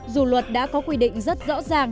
dù luật đã có quy định rất rõ ràng